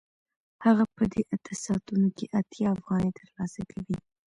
هغه په دې اته ساعتونو کې اتیا افغانۍ ترلاسه کوي